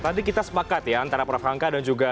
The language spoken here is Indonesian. tadi kita sepakat ya antara prof hamka dan juga